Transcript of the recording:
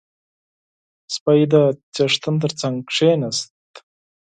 • سپی د څښتن تر څنګ کښېناست.